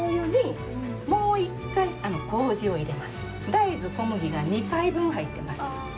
大豆小麦が２回分入ってます。